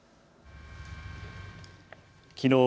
きのう